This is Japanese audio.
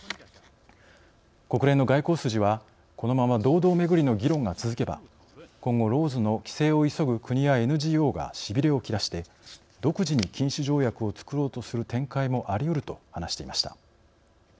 国連の外交筋はこのまま堂々巡りの議論が続けば今後ＬＡＷＳの規制を急ぐ国やＮＧＯがしびれを切らして独自に禁止条約をつくろうとする展開もあり得ると話していました。